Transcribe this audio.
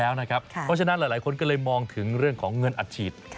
เพราะฉะนั้นหลายคนก็เลยมองถึงเรื่องของเงินอัดฉีด